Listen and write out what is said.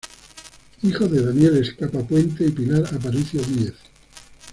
Hijo de Daniel Escapa Puente y Pilar Aparicio Díez.